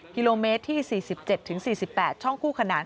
กิโลเมตรที่๔๗๔๘ช่องคู่ขนาน